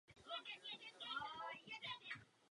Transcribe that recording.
Od této doby opuštěná budova jen chátrala.